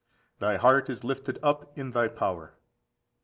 Thy heart is lifted up in thy power.